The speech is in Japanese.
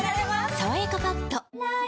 「さわやかパッド」